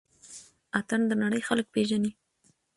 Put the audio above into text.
اتڼ د نړۍ خلک پيژني